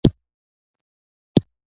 د ژبې مطالعه له روان سره نېمګړې ده